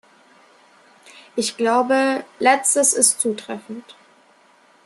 Ich glaube, Letztes ist zutreffend.